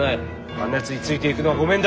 あんなやつについていくのは御免だ。